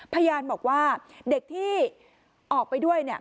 พยานบอกว่าเด็กที่ออกไปด้วยเนี่ย